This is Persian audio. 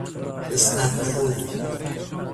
اسنپ فود